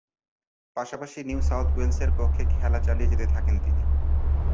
পাশাপাশি New South ওয়েলসের পক্ষে খেলা চালিয়ে যেতে থাকেন তিনি।